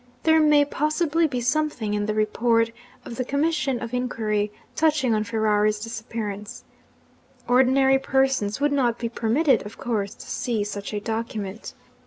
There may possibly be something in the report of the commission of inquiry touching on Ferrari's disappearance. Ordinary persons would not be permitted, of course, to see such a document.